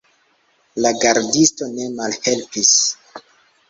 La gardisto ne malhelpis.